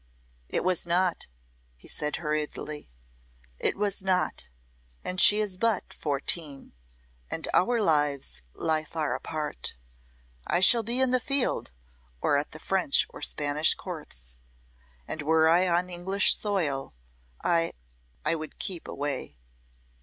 "It was not," he said, hurriedly. "It was not and she is but fourteen and our lives lie far apart. I shall be in the field, or at the French or Spanish Courts. And were I on English soil I I would keep away."